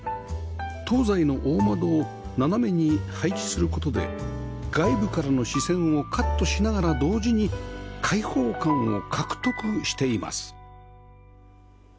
東西の大窓を斜めに配置する事で外部からの視線をカットしながら同時に開放感を獲得しています